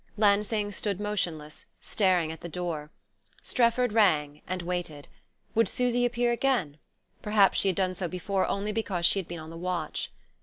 Lansing stood motionless, staring at the door. Strefford rang, and waited. Would Susy appear again? Perhaps she had done so before only because she had been on the watch....